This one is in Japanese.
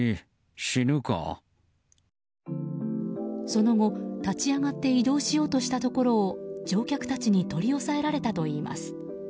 その後、立ち上がって移動しようとしたところを乗客たちに取り押さえられたといいます。